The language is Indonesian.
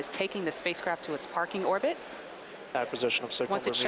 untuk menambahkan mura petit ke orbit pengangkutan geostationer